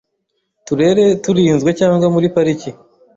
turere turinzwe cyangwa muri pariki